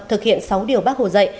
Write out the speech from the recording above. thực hiện sáu điều bác hồ dậy